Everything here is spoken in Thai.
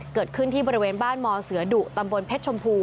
เกิดขึ้นที่บริเวณบ้านมเสือดุตำบลเพชรชมพู